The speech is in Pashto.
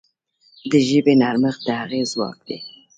د ژبې نرمښت د هغې ځواک دی.